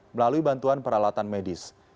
melalui bantuan peralatan medis